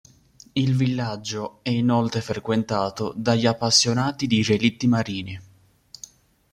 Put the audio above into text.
Il villaggio è inoltre frequentato dagli appassionati di relitti marini.